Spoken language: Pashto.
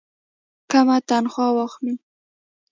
کمه تنخواه واخلي.